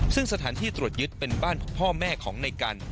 ซึ่งสถานที่ตรวจยึดเป็นบ้านพ่อแม่ของในกัน